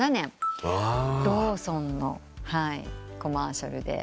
ローソンのコマーシャルで。